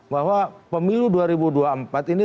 bahwa pemilu dua ribu dua puluh empat ini